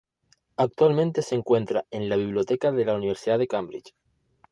Actualmente se encuentra en la Biblioteca de la Universidad de Cambridge.